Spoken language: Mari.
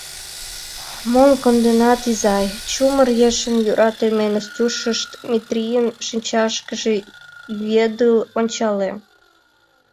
— Мом конденат, изай? — чумыр ешын йӧратыме Настюшышт Метрийын шинчашкыже ӱедыл ончале.